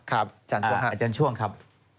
ครับอาจารย์ช่วงครับ